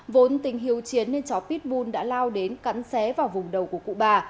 vốn tình hiếu chiến nên chó pitbull đã lao đến cắn xé vào vùng đầu của cụ bà